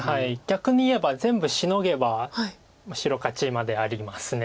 逆にいえば全部シノげば白勝ちまであります。